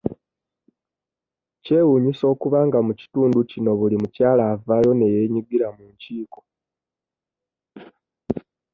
Kyewuunyisa okuba nga mu kitundu kino buli mukyala avaayo ne yeenyigira mu nkiiko.